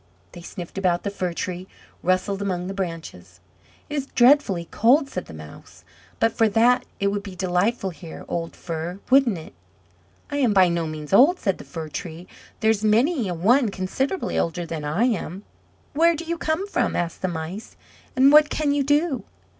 They sniffed about the Fir tree, and rustled among the branches. "It is dreadfully cold," said the Mouse. "But for that, it would be delightful here, old Fir, wouldn't it?" "I am by no means old," said the Fir tree. "There's many a one considerably older than I am." "Where do you come from," asked the Mice; "and what can you do?"